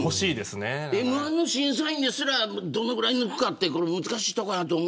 Ｍ‐１の審査委員ですらどのぐらい抜くかって難しいところあるよ。